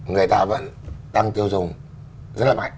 người ta vẫn tăng tiêu dùng rất là mạnh